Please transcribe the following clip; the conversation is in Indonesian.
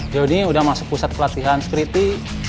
jonny udah masuk pusat pelatihan skriti